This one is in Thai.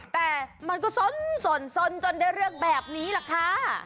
แต่มันก็สนจนได้เรื่องแบบนี้แหละค่ะ